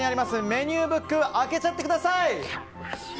メニューブックを開けちゃってください！